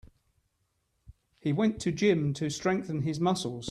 He went to gym to strengthen his muscles.